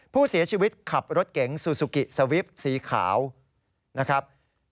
ผู้เสียชีวิตขับรถเก๋งซูซูกิสวิปสีขาวนะครับ